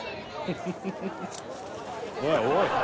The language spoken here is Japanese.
「おいおい！」